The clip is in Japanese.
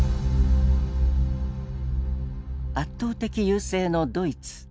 圧倒的優勢のドイツ。